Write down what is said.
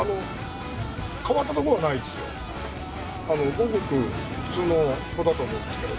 ごくごく普通の子だと思うんですけど。